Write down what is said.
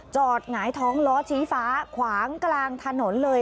หงายท้องล้อชี้ฟ้าขวางกลางถนนเลย